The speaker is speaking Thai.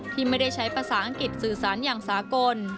ที่ไม่ได้ใช้ภาษาอังกฤษสื่อสารอย่างสากล